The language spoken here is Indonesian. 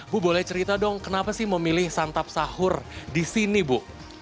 bu boleh cerita dong kenapa sih memilih santap sahur di sini bu